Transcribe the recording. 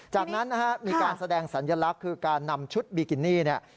จากนั้นนะฮะมีการแสดงสัญลักษณ์คือการนำชุดบิกินี่เนี่ย